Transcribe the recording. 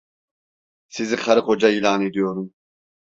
Sizi karı koca ilan ediyorum.